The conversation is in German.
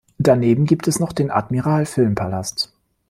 Daneben gibt es noch den Admiral Filmpalast.